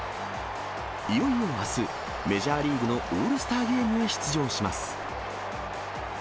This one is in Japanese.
いよいよあす、メジャーリーグのオールスターゲームへ出場します。